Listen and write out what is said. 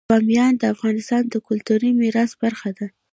بامیان د افغانستان د کلتوري میراث برخه ده.